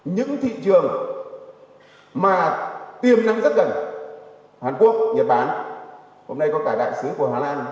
những thị trường mà tiềm năng rất gần hàn quốc nhật bản hôm nay có cả đại sứ của hà lan